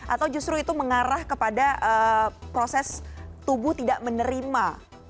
atau justru itu mengarah kepada proses tubuh tidak menerima